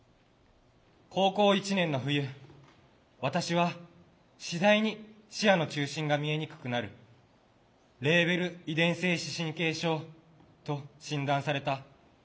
高校１年の冬私はしだいに視野の中心が見えにくくなるレーベル遺伝性視神経症と診断された。